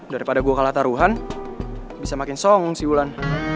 daripada gue kalah taruhan bisa makin song si wulan